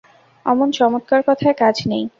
অমন চমৎকার কথায় কাজ নেই।